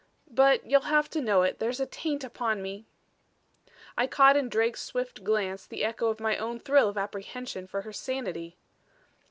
But you'll have to know it there's a taint upon me." I caught in Drake's swift glance the echo of my own thrill of apprehension for her sanity.